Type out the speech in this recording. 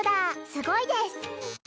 すごいです